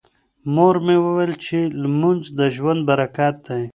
مور مې وویل چې لمونځ د ژوند برکت دی.